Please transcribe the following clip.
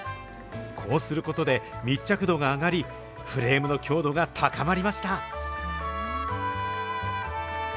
こうすることで、密着度が上がり、フレームの強度が高まりました。